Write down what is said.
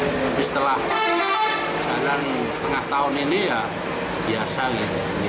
tapi setelah jalan setengah tahun ini ya biasa gitu